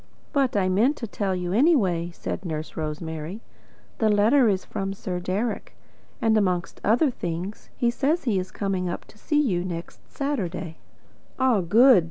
"But I meant to tell you anyway," said Nurse Rosemary. "The letter is from Sir Deryck, and, amongst other things, he says he is coming up to see you next Saturday." "Ah, good!"